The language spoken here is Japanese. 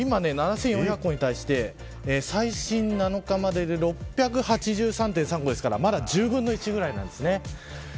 今、７４００個に対して最新７日までで６８３．３個ですからまだ１０分の１ぐらいなんです。